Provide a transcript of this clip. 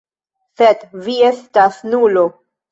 Sed vi estas nulo.